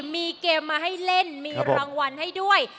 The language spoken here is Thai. มีเกมมาให้เล่นมีรางวัลให้ด้วย